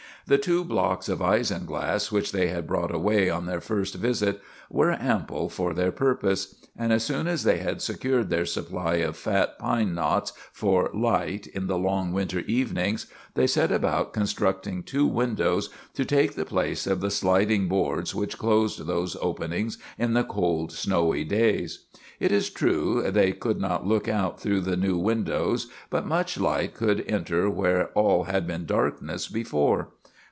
The two blocks of isinglass which they had brought away on their first visit were ample for their purpose; and as soon as they had secured their supply of fat pine knots for light in the long winter evenings, they set about constructing two windows to take the place of the sliding boards which closed those openings in the cold, snowy days. It is true, they could not look out through the new windows, but much light could enter where all had been darkness before.